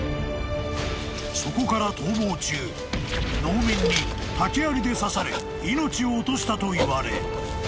［そこから逃亡中農民に竹やりで刺され命を落としたといわれ］